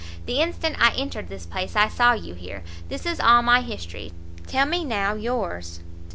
The instant I entered this place, I saw you here. This is all my history; tell me now yours.